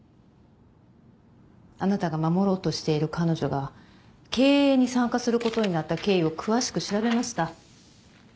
あなたが守ろうとしている彼女が経営に参加することになった経緯を詳しく調べました。